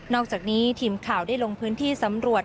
อกจากนี้ทีมข่าวได้ลงพื้นที่สำรวจ